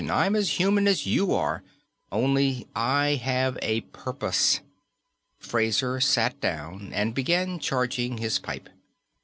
I'm as human as you are, only I have a purpose." Fraser sat down and began charging his pipe.